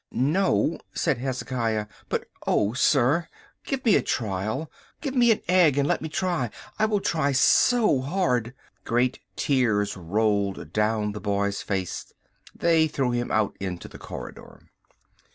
"No," said Hezekiah, "but oh, sir, give me a trial, give me an egg and let me try—I will try so hard." Great tears rolled down the boy's face. They rolled him out into the corridor.